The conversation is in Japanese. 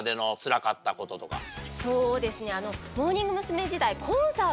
そうですね。